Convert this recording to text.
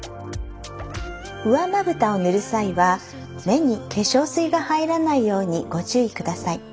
上まぶたを塗る際は目に化粧水が入らないようにご注意ください。